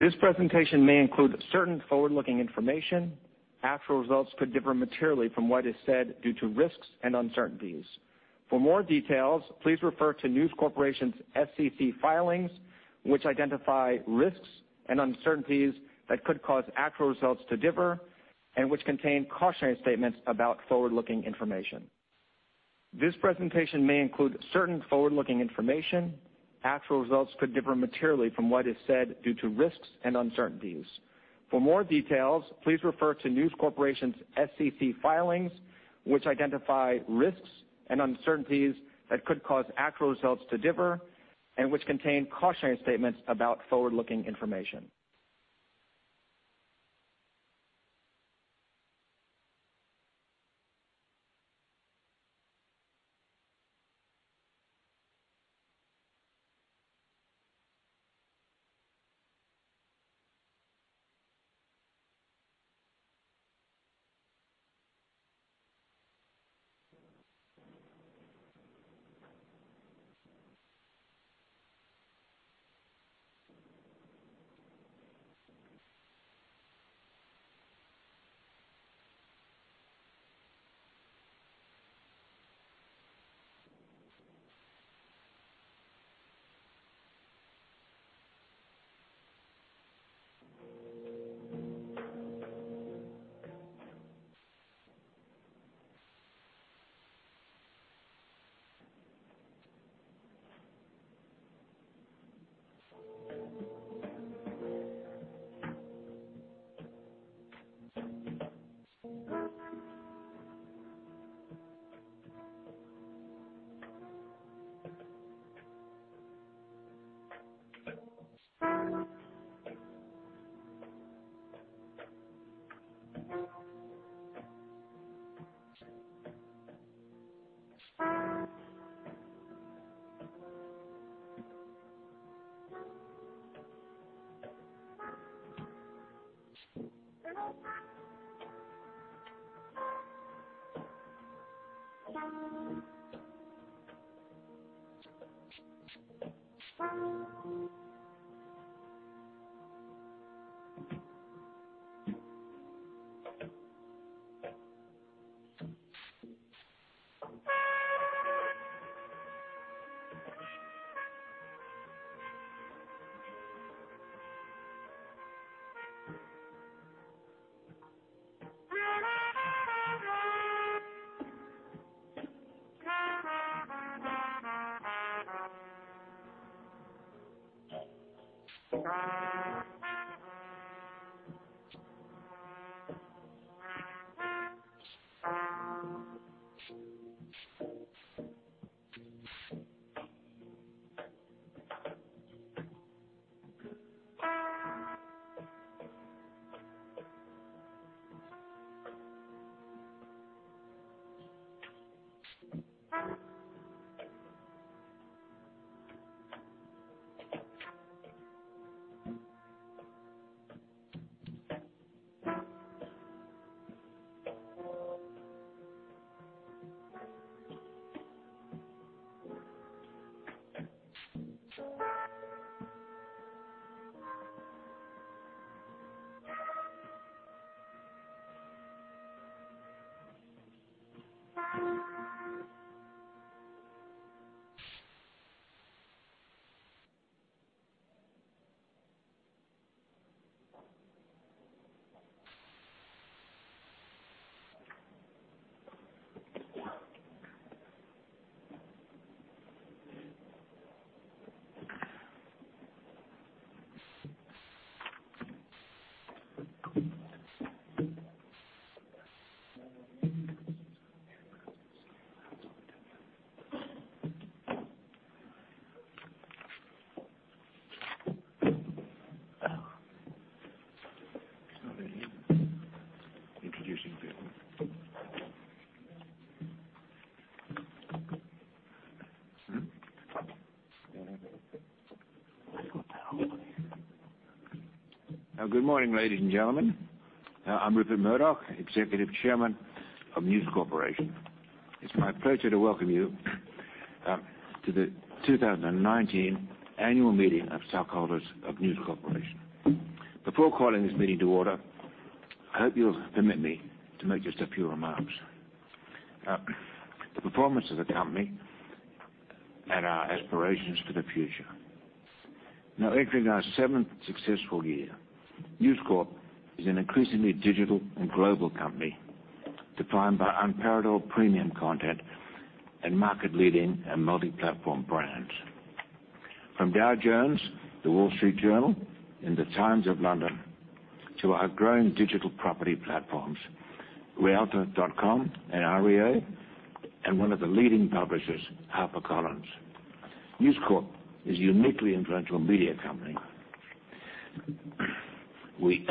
This presentation may include certain forward-looking information. Actual results could differ materially from what is said due to risks and uncertainties. For more details, please refer to News Corporation's SEC filings, which identify risks and uncertainties that could cause actual results to differ, and which contain cautionary statements about forward-looking information. from what is said due to risks and uncertainties. For more details, please refer to News Corporation's SEC filings, which identify risks and uncertainties that could cause actual results to differ, and which contain cautionary statements about forward-looking information. Introducing people. Hmm? What the hell? Good morning, ladies and gentlemen. I'm Rupert Murdoch, Executive Chairman of News Corporation. It's my pleasure to welcome you to the 2019 annual meeting of stockholders of News Corporation. Before calling this meeting to order, I hope you'll permit me to make just a few remarks. The performance of the company and our aspirations for the future. Now entering our seventh successful year, News Corp is an increasingly digital and global company defined by unparalleled premium content and market-leading and multi-platform brands. From Dow Jones, The Wall Street Journal, and The Times of London to our growing digital property platforms, realtor.com and REA, and one of the leading publishers, HarperCollins. News Corp is a uniquely influential media company. We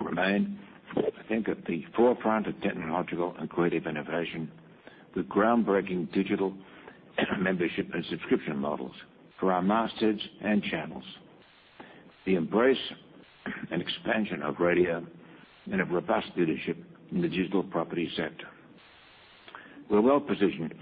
remain, I think, at the forefront of technological and creative innovation with groundbreaking digital membership and subscription models for our mastheads and channels. The embrace and expansion of radio and a robust leadership in the digital property sector. We're well-positioned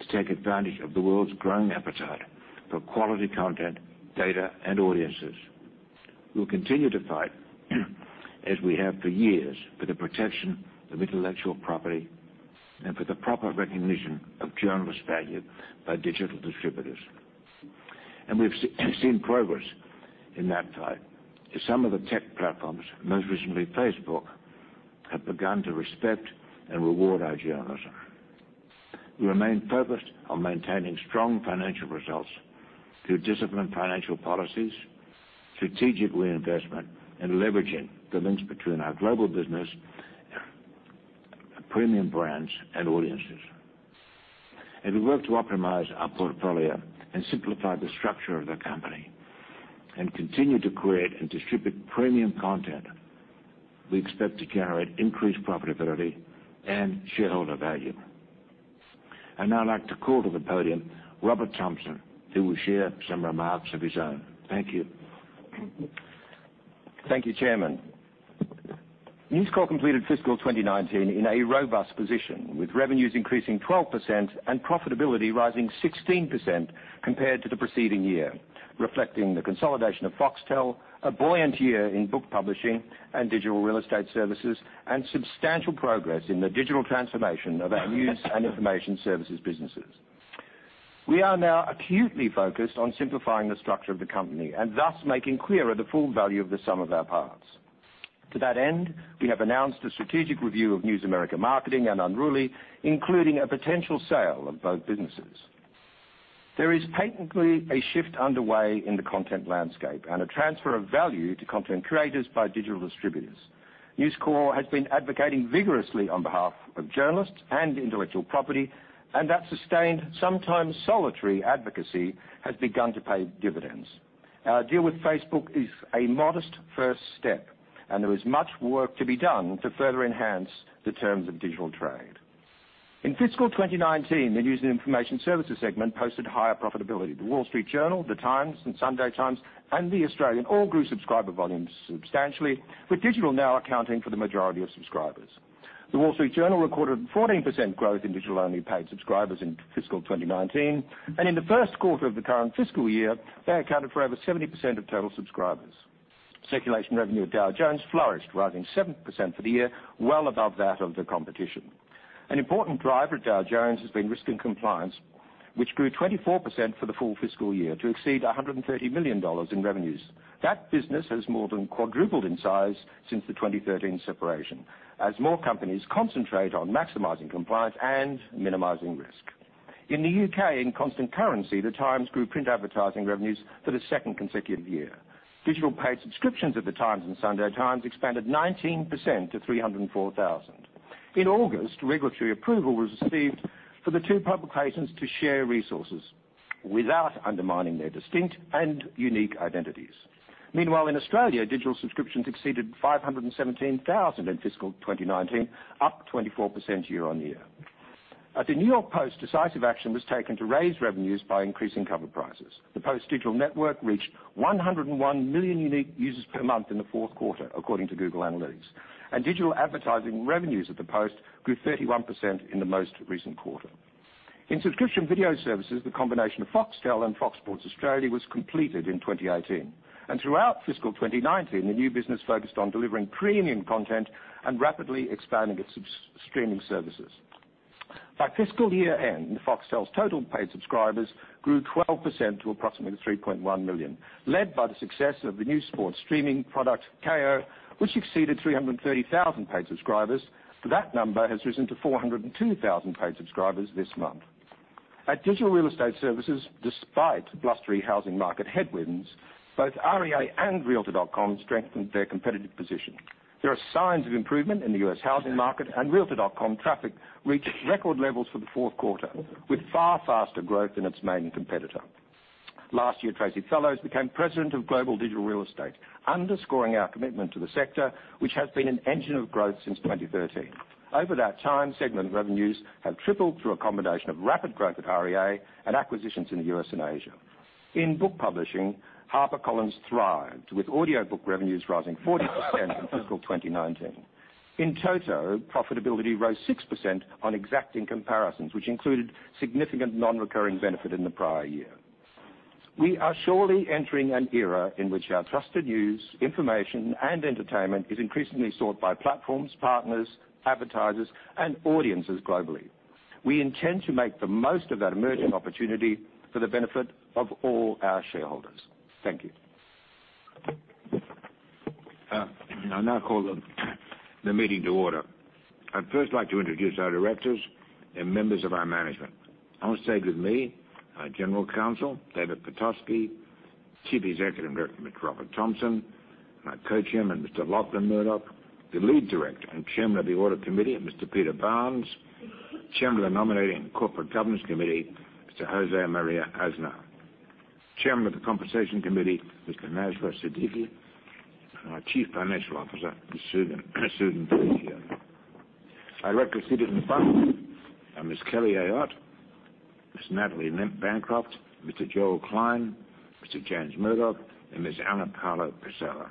to take advantage of the world's growing appetite for quality content, data, and audiences. We'll continue to fight, as we have for years, for the protection of intellectual property and for the proper recognition of journalists' value by digital distributors. We've seen progress in that fight, as some of the tech platforms, most recently Facebook, have begun to respect and reward our journalism. We remain focused on maintaining strong financial results through disciplined financial policies, strategic reinvestment, and leveraging the links between our global business, premium brands, and audiences. As we work to optimize our portfolio and simplify the structure of the company and continue to create and distribute premium content, we expect to generate increased profitability and shareholder value. I'd now like to call to the podium Robert Thomson, who will share some remarks of his own. Thank you. Thank you, Chairman. News Corp completed fiscal 2019 in a robust position, with revenues increasing 12% and profitability rising 16% compared to the preceding year, reflecting the consolidation of Foxtel, a buoyant year in book publishing and Digital Real Estate Services, and substantial progress in the digital transformation of our news and information services businesses. We are now acutely focused on simplifying the structure of the company and thus making clearer the full value of the sum of our parts. To that end, we have announced a strategic review of News America Marketing and Unruly, including a potential sale of both businesses. There is patently a shift underway in the content landscape and a transfer of value to content creators by digital distributors. News Corp has been advocating vigorously on behalf of journalists and intellectual property, and that sustained, sometimes solitary advocacy has begun to pay dividends. Our deal with Facebook is a modest first step, and there is much work to be done to further enhance the terms of digital trade. In fiscal 2019, the news and information services segment posted higher profitability. "The Wall Street Journal," "The Times" and "The Sunday Times," and "The Australian" all grew subscriber volumes substantially, with digital now accounting for the majority of subscribers. "The Wall Street Journal" recorded 14% growth in digital-only paid subscribers in fiscal 2019, and in the first quarter of the current fiscal year, they accounted for over 70% of total subscribers. Circulation revenue at Dow Jones flourished, rising 7% for the year, well above that of the competition. An important driver at Dow Jones has been risk and compliance, which grew 24% for the full fiscal year to exceed $130 million in revenues. That business has more than quadrupled in size since the 2013 separation as more companies concentrate on maximizing compliance and minimizing risk. In the U.K., in constant currency, "The Times" grew print advertising revenues for the second consecutive year. Digital paid subscriptions at "The Times" and "The Sunday Times" expanded 19% to 304,000. In August, regulatory approval was received for the two publications to share resources without undermining their distinct and unique identities. Meanwhile, in Australia, digital subscriptions exceeded 517,000 in fiscal 2019, up 24% year-over-year. At the "New York Post," decisive action was taken to raise revenues by increasing cover prices. The "Post" digital network reached 101 million unique users per month in the fourth quarter, according to Google Analytics, and digital advertising revenues at the "Post" grew 31% in the most recent quarter. In subscription video services, the combination of Foxtel and FOX SPORTS Australia was completed in 2018. Throughout fiscal 2019, the new business focused on delivering premium content and rapidly expanding its streaming services. By fiscal year-end, Foxtel's total paid subscribers grew 12% to approximately 3.1 million, led by the success of the new sports streaming product, Kayo, which exceeded 330,000 paid subscribers. That number has risen to 402,000 paid subscribers this month. At Digital Real Estate Services, despite blustery housing market headwinds, both REA and realtor.com strengthened their competitive position. There are signs of improvement in the U.S. housing market. realtor.com traffic reached record levels for the fourth quarter, with far faster growth than its main competitor. Last year, Tracey Fellows became President of Global Digital Real Estate, underscoring our commitment to the sector, which has been an engine of growth since 2013. Over that time, segment revenues have tripled through a combination of rapid growth at REA and acquisitions in the U.S. and Asia. In book publishing, HarperCollins thrived, with audiobook revenues rising 40% in fiscal 2019. In total, profitability rose 6% on exacting comparisons, which included significant non-recurring benefit in the prior year. We are surely entering an era in which our trusted news, information, and entertainment is increasingly sought by platforms, partners, advertisers, and audiences globally. We intend to make the most of that emerging opportunity for the benefit of all our shareholders. Thank you. I now call the meeting to order. I'd first like to introduce our directors and members of our management. Onstage with me, our General Counsel, David Pitofsky; Chief Executive Director, Mr. Robert Thomson; our Co-Chairman, Mr. Lachlan Murdoch; the Lead Director and Chairman of the Audit Committee, Mr. Peter Barnes; Chairman of the Nominating and Corporate Governance Committee, Mr. José María Aznar; Chairman of the Compensation Committee, Mr. Masroor Siddiqui; and our Chief Financial Officer, Ms. Susan Panuccio. Our director seated in the front are Ms. Kelly Ayotte, Ms. Natalie Bancroft, Mr. Joel Klein, Mr. James Murdoch, and Ms. Ana Paula Pessoa.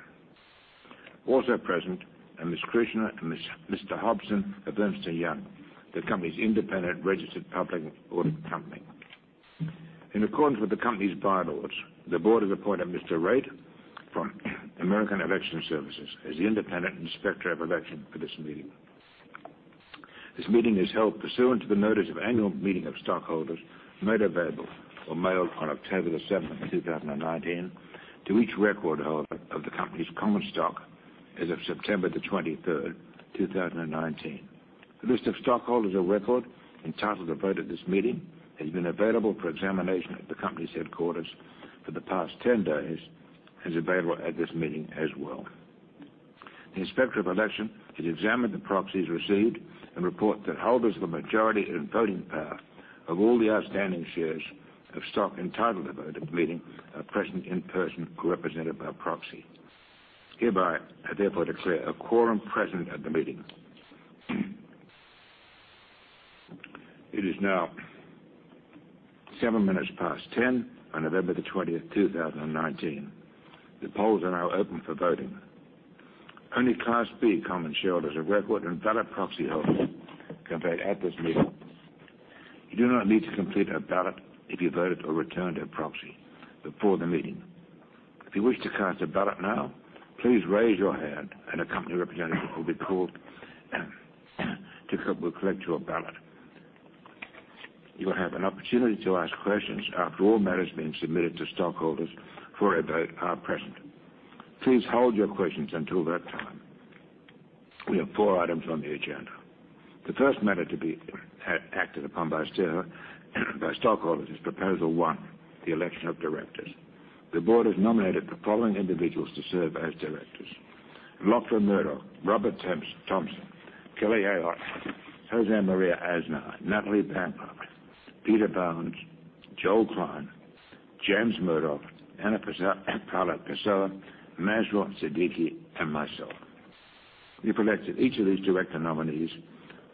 Also present are Ms. Krishna and Mr. Hobson of Ernst & Young, the company's independent registered public audit company. In accordance with the company's bylaws, the board has appointed Mr. Reid from American Election Services as the independent inspector of election for this meeting. This meeting is held pursuant to the notice of annual meeting of stockholders made available or mailed on October 7th, 2019, to each record holder of the company's common stock as of September 23rd, 2019. The list of stockholders of record entitled to vote at this meeting has been available for examination at the company's headquarters for the past 10 days and is available at this meeting as well. The inspector of election has examined the proxies received and report that holders of the majority and voting power of all the outstanding shares of stock entitled to vote at the meeting are present in person or represented by a proxy. Hereby, I therefore declare a quorum present at the meeting. It is now 10:07 A.M. on November 20th, 2019. The polls are now open for voting. Only Class B common shareholders of record and ballot proxy holders can vote at this meeting. You do not need to complete a ballot if you voted or returned a proxy before the meeting. If you wish to cast a ballot now, please raise your hand and a company representative will be called to collect your ballot. You will have an opportunity to ask questions after all matters being submitted to stockholders for a vote are present. Please hold your questions until that time. We have four items on the agenda. The first matter to be acted upon by stockholders is proposal one, the election of directors. The board has nominated the following individuals to serve as directors: Lachlan Murdoch, Robert Thomson, Kelly Ayotte, José María Aznar, Natalie Bancroft, Peter Barnes, Joel Klein, James Murdoch, Ana Paula Pessoa, Masroor Siddiqui, and myself. If elected, each of these director nominees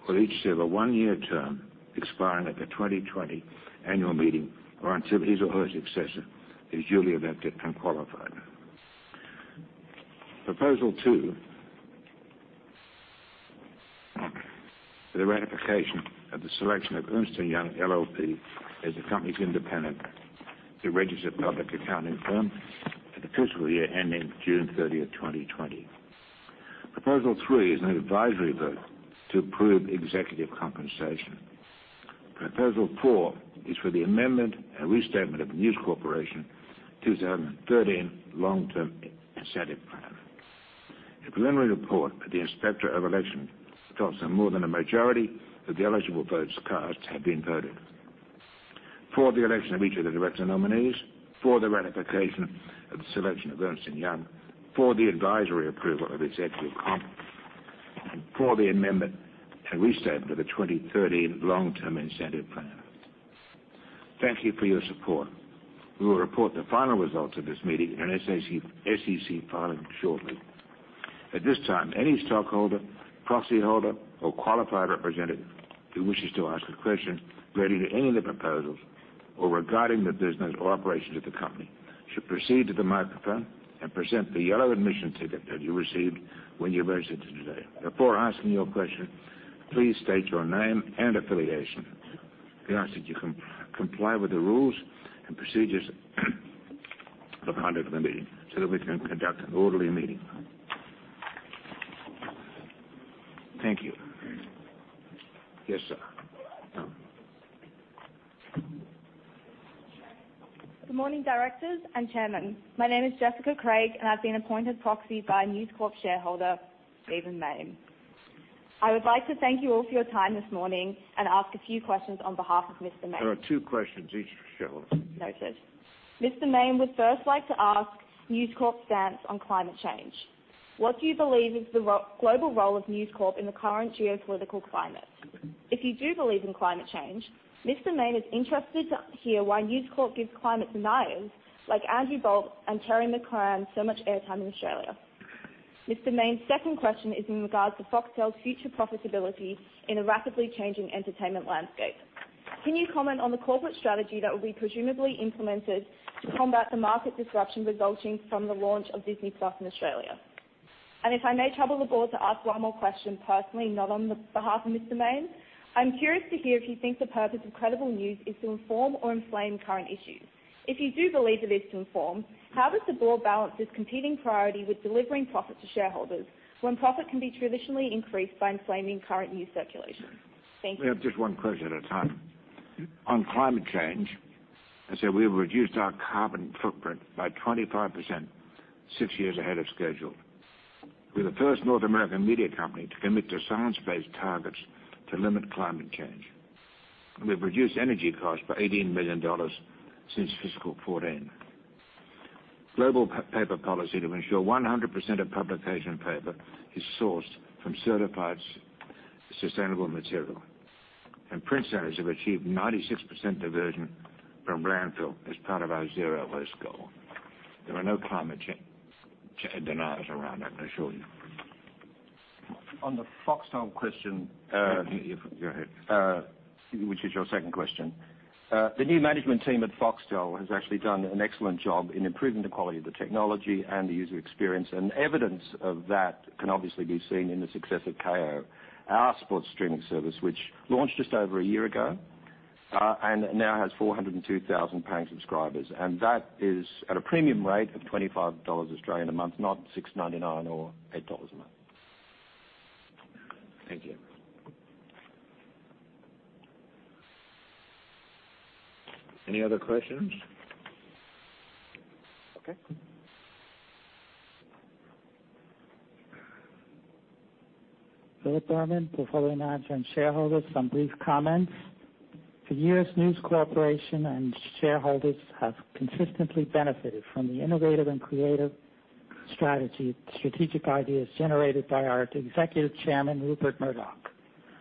will each serve a one-year term expiring at the 2020 annual meeting, or until his or her successor is duly elected and qualified. Proposal 2, for the ratification of the selection of Ernst & Young LLP as the company's independent registered public accounting firm for the fiscal year ending June 30th, 2020. Proposal 3 is an advisory vote to approve executive compensation. Proposal 4 is for the amendment and restatement of News Corporation 2013 Long-Term Incentive Plan. A preliminary report by the inspector of election shows that more than a majority of the eligible votes cast have been voted for the election of each of the director nominees, for the ratification of the selection of Ernst & Young, for the advisory approval of executive comp, and for the amendment and restatement of the 2013 Long-Term Incentive Plan. Thank you for your support. We will report the final results of this meeting in an SEC filing shortly. At this time, any stockholder, proxy holder, or qualified representative who wishes to ask a question relating to any of the proposals or regarding the business or operations of the company should proceed to the microphone and present the yellow admission ticket that you received when you registered today. Before asking your question, please state your name and affiliation. We ask that you comply with the rules and procedures of conduct of the meeting so that we can conduct an orderly meeting. Thank you. Yes, sir. Good morning, directors and chairman. My name is Jessica Craig, and I've been appointed proxy by News Corp shareholder, Stephen Mayne. I would like to thank you all for your time this morning and ask a few questions on behalf of Mr. Mayne. There are two questions, each shareholder. Noted. Mr. Mayne would first like to ask News Corp's stance on climate change. What do you believe is the global role of News Corp in the current geopolitical climate? If you do believe in climate change, Mr. Mayne is interested to hear why News Corp gives climate deniers like Andrew Bolt and Terry McCrann so much airtime in Australia. Mr. Mayne's second question is in regards to Foxtel's future profitability in a rapidly changing entertainment landscape. Can you comment on the corporate strategy that will be presumably implemented to combat the market disruption resulting from the launch of Disney+ in Australia? If I may trouble the board to ask one more question personally, not on the behalf of Mr. Mayne, I'm curious to hear if you think the purpose of credible news is to inform or inflame current issues. If you do believe it is to inform, how does the board balance this competing priority with delivering profit to shareholders when profit can be traditionally increased by inflaming current news circulation? Thank you. We have just one question at a time. On climate change, as said, we've reduced our carbon footprint by 25%, six years ahead of schedule. We're the first North American media company to commit to science-based targets to limit climate change. We've reduced energy costs by $18 million since fiscal 2014. Global paper policy to ensure 100% of publication paper is sourced from certified sustainable material. Print centers have achieved 96% diversion from landfill as part of our zero waste goal. There are no climate change deniers around, I can assure you. On the Foxtel question. Go ahead. which is your second question. The new management team at Foxtel has actually done an excellent job in improving the quality of the technology and the user experience, and evidence of that can obviously be seen in the success of Kayo, our sports streaming service, which launched just over a year ago, and now has 402,000 paying subscribers, and that is at a premium rate of 25 Australian dollars a month, not 6.99 or 8 dollars a month. Thank you. Any other questions? Okay. Philip Berman, portfolio manager and shareholder. Some brief comments. For years, News Corporation and shareholders have consistently benefited from the innovative and creative strategy, strategic ideas generated by our Executive Chairman, Rupert Murdoch.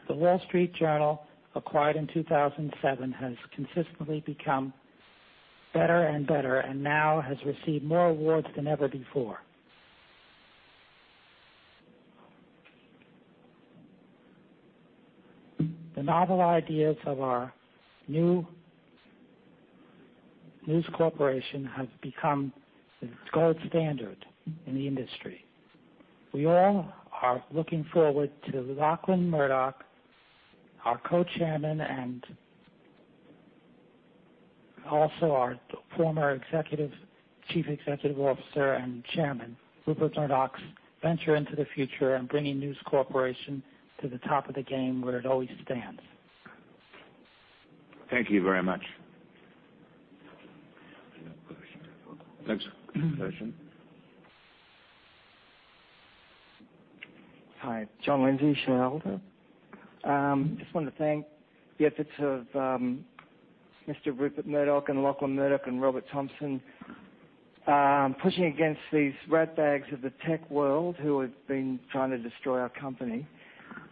The Wall Street Journal, acquired in 2007, has consistently become better and better, and now has received more awards than ever before. The novel ideas of our new News Corporation has become the gold standard in the industry. We all are looking forward to Lachlan Murdoch, our Co-Chairman, and also our former Chief Executive Officer and Chairman, Rupert Murdoch's venture into the future and bringing News Corporation to the top of the game where it always stands. Thank you very much. Next question. Hi. John Lindsay, shareholder. Just wanted to thank the efforts of Mr. Rupert Murdoch and Lachlan Murdoch and Robert Thomson, pushing against these rat bags of the tech world who have been trying to destroy our company.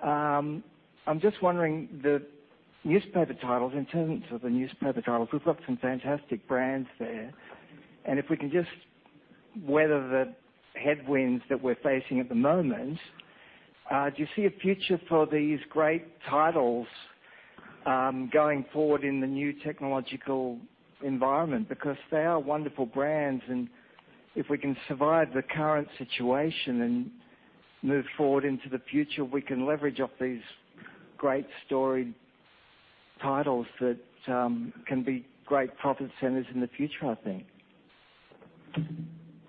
I'm just wondering, the newspaper titles, in terms of the newspaper titles, we've got some fantastic brands there. If we can just weather the headwinds that we're facing at the moment, do you see a future for these great titles, going forward in the new technological environment? They are wonderful brands, and if we can survive the current situation and move forward into the future, we can leverage off these great storied titles that can be great profit centers in the future, I think.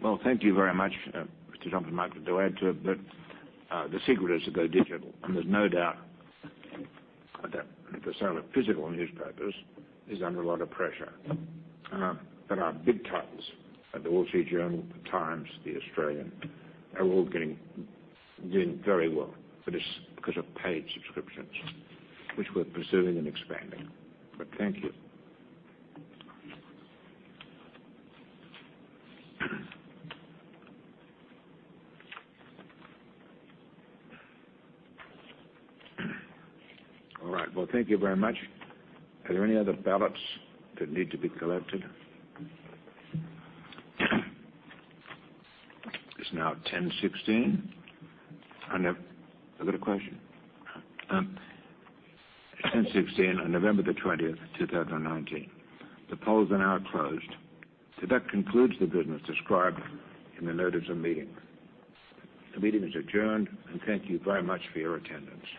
Well, thank you very much, Mr. Thomson. Might to add to it that the secret is to go digital, and there's no doubt that the sale of physical newspapers is under a lot of pressure. Our big titles, The Wall Street Journal, The Times, The Australian, are all doing very well. It is because of paid subscriptions, which we're pursuing and expanding. Thank you. All right. Well, thank you very much. Are there any other ballots that need to be collected? It's now 10:16. I have a question. 10:16 on November the 20th, 2019. The poll is now closed. That concludes the business described in the notice of meeting. The meeting is adjourned, and thank you very much for your attendance.